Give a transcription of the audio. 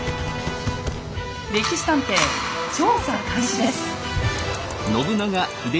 「歴史探偵」調査開始です。